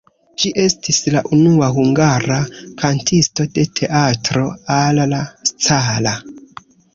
Ŝi estis la unua hungara kantisto de Teatro alla Scala.